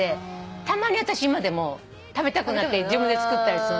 たまに私今でも食べたくなって自分で作ったりする。